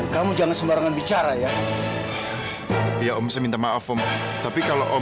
kamu jangan sembarangan bicara ya om saya minta maaf om tapi kalau om